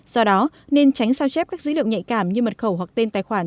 do đó nên tránh sao chép các dữ liệu nhạy cảm như mật khẩu hoặc tên tài khoản